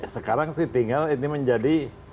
sekarang sih tinggal ini menjadi